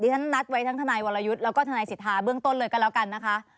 ฉันนัดไว้ทั้งทนายวรยุทธ์แล้วก็ทนายสิทธาเบื้องต้นเลยก็แล้วกันนะคะ